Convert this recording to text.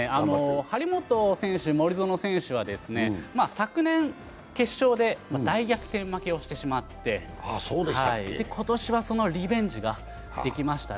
張本選手・森薗選手は昨年、決勝で大逆転負けをしてしまって今年はそのリベンジができましたね。